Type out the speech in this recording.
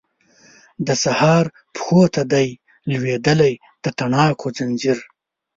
د سهار پښو ته دی لویدلی د تڼاکو ځنځیر